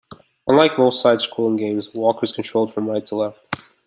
Unlike most side-scrolling games, "Walker" is controlled from right to left.